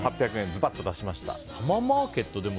ズバッと出しました。